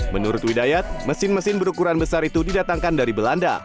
menurut widayat mesin mesin berukuran besar itu didatangkan dari belanda